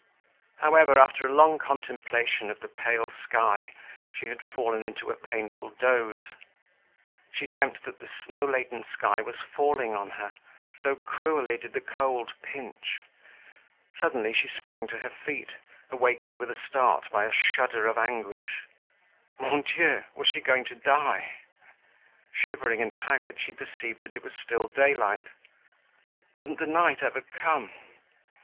However, after a long contemplation of the pale sky, she had fallen into a painful doze. She dreamt that the snow laden sky was falling on her, so cruelly did the cold pinch. Suddenly she sprang to her feet, awakened with a start by a shudder of anguish. Mon Dieu! was she going to die? Shivering and haggard she perceived that it was still daylight. Wouldn't the night ever come?